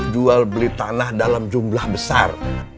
jual beli tanah dalam jumlah besar